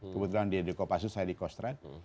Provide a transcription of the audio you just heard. kebetulan dia di kopassus saya di kostrat